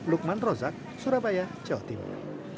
lukman rozak surabaya jawa timur